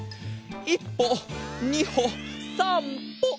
１ぽ２ほ３ぽ。